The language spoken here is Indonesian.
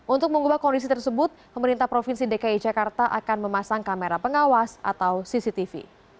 untuk mengubah kondisi tersebut pemerintah provinsi dki jakarta akan memasang kamera pengawas atau cctv